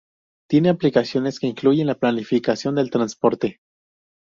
Tiene aplicaciones que incluyen la planificación del transporte.